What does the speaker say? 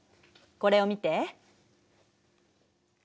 これを見て。